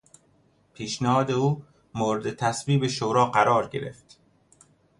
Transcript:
پیشنهاد او مورد تصویب شورا قرار گرفت.